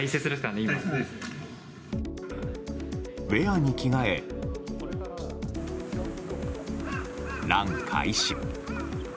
ウェアに着替え、ラン開始。